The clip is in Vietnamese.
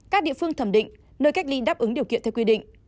các địa phương thẩm định nơi cách ly đáp ứng điều kiện theo quy định